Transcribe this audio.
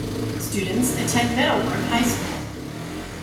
Students attend Meadowbrook High School.